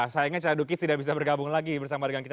sayangnya caduki sudah nggak bisa bergabung lagi bersama dengan kita